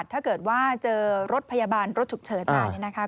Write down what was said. ทุกจังหวัดถ้าเจอรถพยาบาลรถฉุกเฉินมา